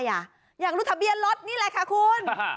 อย่างรู้ทะเบียนรถนี่แหละค่ะคุณ